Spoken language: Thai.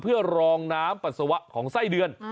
เพื่อรองน้ำปัสสาวะของไส้เดือน